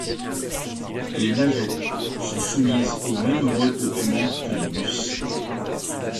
Les navettes sont soumises au même mode de paiement que les bus.